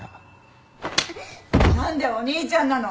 何でお兄ちゃんなの！？